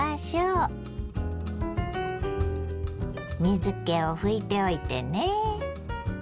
水けを拭いておいてね。